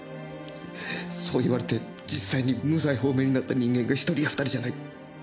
そう言われて実際に無罪放免になった人間が１人や２人じゃない。